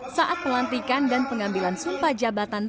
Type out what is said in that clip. saat pelantikan dan pengambilan sumpah jabatan